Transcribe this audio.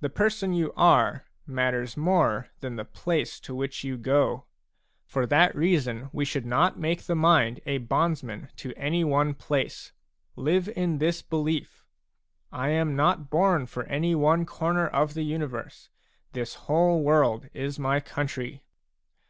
The person you are matters more than the place to which you go ; for that reason we should not make the mind a bondsman to any one place. Live in this belief :" I am not born for any one corner of the universe; this whole world is my country."